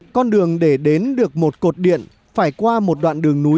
con đường để đến được một cột điện phải qua một đoạn đường núi